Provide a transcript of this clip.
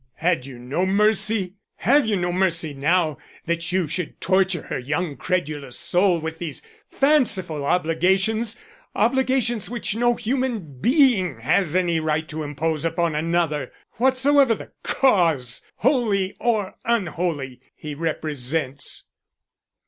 "Had you no mercy? Have you no mercy now, that you should torture her young, credulous soul with these fanciful obligations; obligations which no human being has any right to impose upon another, whatsoever the Cause, holy or unholy, he represents?"